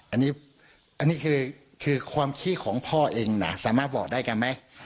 อันนี้คือความขี้ของพ่อเองนะสามารถบอกได้กันไหม